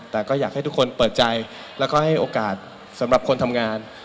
แต่ก็อยากให้ทุกคนเปิดใจแล้วก็ให้โอกาสสำหรับคนทำงาน